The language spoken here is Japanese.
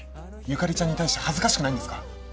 由香里ちゃんに対して恥ずかしくないんですか？